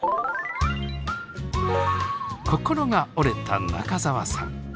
心が折れた中澤さん。